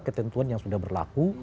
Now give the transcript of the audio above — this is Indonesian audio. ketentuan yang sudah berlaku